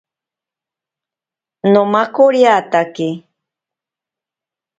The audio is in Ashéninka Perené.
Nomakoriatake.